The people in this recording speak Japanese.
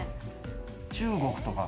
中国とか。